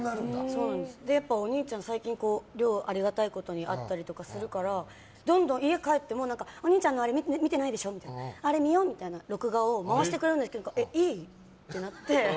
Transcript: やっぱ、お兄ちゃん最近、量がありがたいことにあったりするからどんどん家に帰ってもお兄ちゃんのあれ見てないでしょってあれ見よう！みたいに録画を回してくれるんですけどえ、いいってなって。